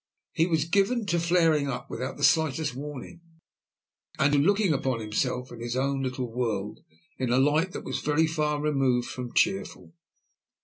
He was given to flaring up without the slightest warning, and to looking upon himself and his own little world in a light that was very far removed from cheerful.